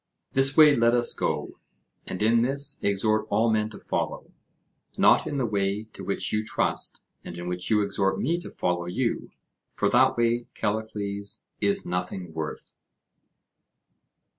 This way let us go; and in this exhort all men to follow, not in the way to which you trust and in which you exhort me to follow you; for that way, Callicles, is nothing worth.